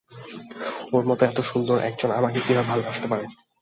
ওর মতো এত সুন্দর একজন আমাকে কীভাবে ভালোবাসতে পারে?